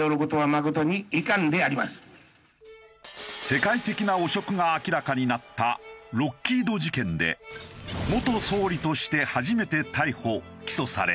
世界的な汚職が明らかになったロッキード事件で元総理として初めて逮捕・起訴された。